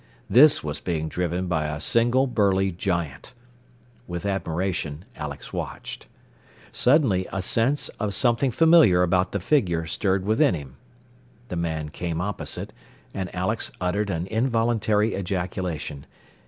This was being driven by a single burly giant. With admiration Alex watched. Suddenly a sense of something familiar about the figure stirred within him. The man came opposite, and Alex uttered an involuntary ejaculation.